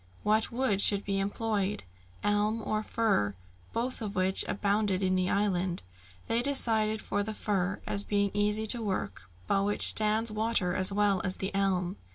What wood should be employed? Elm or fir, both of which abounded in the island? They decided for the fir, as being easy to work, but which stands water as well as the elm.